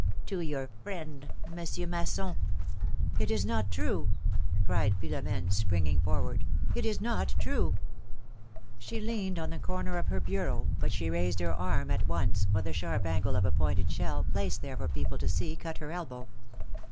'^To your friend. Monsieur Masson." ^At is not true!" cried Philomene, springing forward. It is not true !" She leaned on the corner of her bureau, but she raised her arm at once, for the sharp angle of a pointed shell, placed there for people to see, cut her elbow.